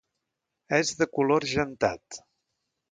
És de color argentat.